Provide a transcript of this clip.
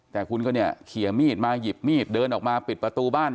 แต่คุณก็เนี่ยเขียมีดมาหยิบมีดเดินออกมาปิดประตูบ้าน